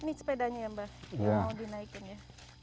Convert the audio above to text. ini sepedanya ya mba mau dinaikin ya